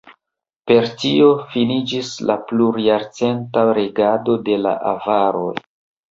Per tio finiĝis la plurjarcenta regado de la avaroj.